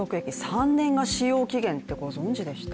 ３年が使用期限ってご存じでした？